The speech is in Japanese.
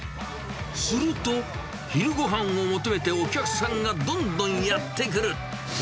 すると、昼ごはんを求めてお客さんがどんどんやって来る。